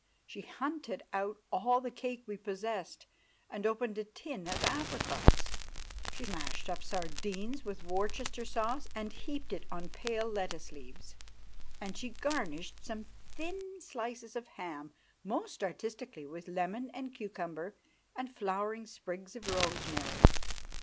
She hunted out all the cake we possessed, and opened a tin of apricots; she mashed up sardines with Worcester sauce, and heaped it on pale lettuce leaves, and she garnished some thin slices of ham most artistically with lemon and cucumber and flowering sprigs of rosemary.